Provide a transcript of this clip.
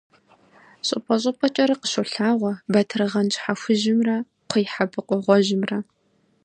Щӏыпӏэ-щӏыпӏэкӏэрэ къыщолъагъуэ батыргъэн щхьэ хужьымрэ кхъуейхьэбыкъуэ гъуэжьымрэ.